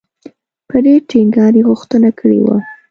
په ډېر ټینګار یې غوښتنه کړې وه.